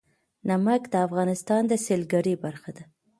نمک د افغانستان د سیلګرۍ برخه ده.